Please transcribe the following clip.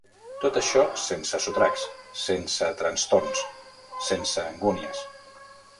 Tot això sense sotracs, sense trastorns, sense angunies